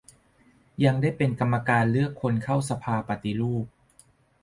ยังได้เป็นกรรมการเลือกคนเข้าสภาปฏิรูป